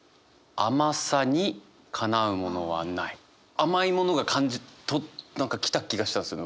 甘いものが何か来た気がしたんですよね